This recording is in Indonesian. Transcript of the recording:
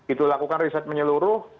itu lakukan riset menyeluruh